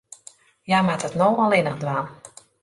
Hja moat it no allinnich dwaan.